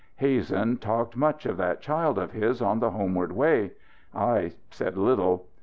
Hazen talked much of that child of his on the homeward way. I said little.